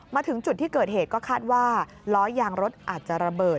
มาถึงจุดที่เกิดเหตุก็คาดว่าล้อยางรถอาจจะระเบิด